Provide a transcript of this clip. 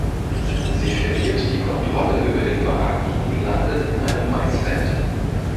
Sie verliert die Kontrolle über den Wagen und landet in einem Maisfeld.